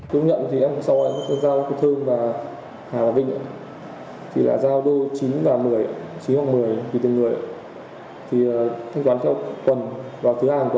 công nhận thì em có so với các giao của thương và hà và vinh ạ thì là giao đô chín và một mươi